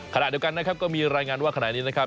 ขณะเดียวกันนะครับก็มีรายงานว่าขณะนี้นะครับ